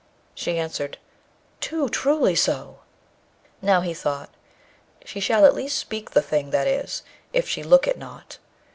She answered, 'Too truly so!' Now, he thought, 'She shall at least speak the thing that is, if she look it not.'